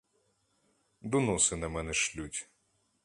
Доноси на мене шлють.